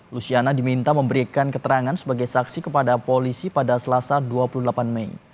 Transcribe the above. luciana diminta memberikan keterangan sebagai saksi kepada polisi pada selasa dua puluh delapan mei